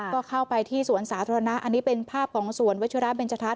ก็เข้าไปที่สวนสาธารณะอันนี้เป็นภาพของสวนวัชิระเบนจทัศ